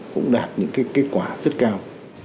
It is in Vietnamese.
cũng đạt những kết quả rất cao